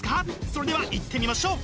それではいってみましょう！